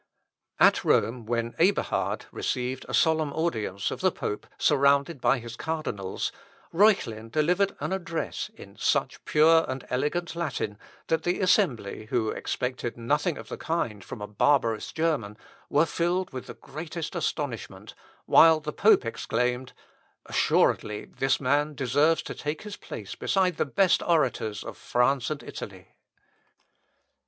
At Rome, when Eberhard received a solemn audience of the pope, surrounded by his cardinals, Reuchlin delivered an address in such pure and elegant Latin, that the assembly, who expected nothing of the kind from a barbarous German, were filled with the greatest astonishment, while the pope exclaimed, "Assuredly this man deserves to take his place beside the best orators of France and Italy."